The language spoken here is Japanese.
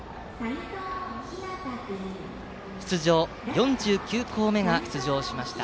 ４９校目が出場しました。